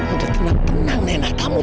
udah tenang tenang nenak kamu